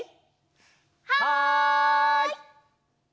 はい！